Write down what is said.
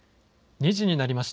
２時になりました。